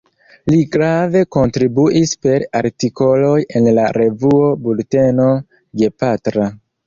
Li grave kontribuis per artikoloj en la revuo Bulteno Gepatra.